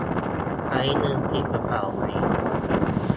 ใช้เงินผิดกระเป๋าไหม ?